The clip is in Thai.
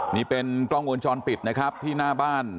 นี่เป็นกล้องวงจรปิดนะครับที่หน้าบ้าน